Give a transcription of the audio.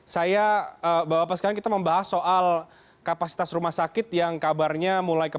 saya bawa pas kalian kita membahas soal kapasitas rumah sakit yang kabarnya mulai